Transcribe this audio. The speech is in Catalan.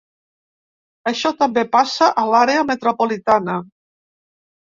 Això també passa a l’àrea metropolitana.